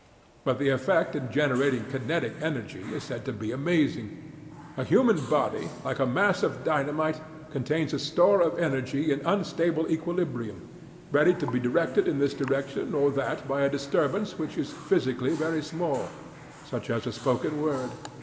but the effect in generating kinetic energy is said to be amazing. A human body, like a mass of dynamite, contains a store of energy in unstable equilibrium, ready to be directed in this direction or that by a disturbance which is physically very small, such as a spoken word.